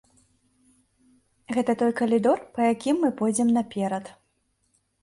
Гэта той калідор, па якім мы пойдзем наперад.